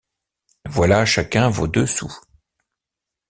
Voilà chacun vos deux sous.